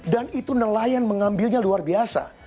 dan itu nelayan mengambilnya luar biasa